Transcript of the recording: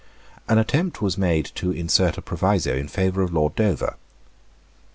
An attempt was made to insert a proviso in favour of Lord Dover.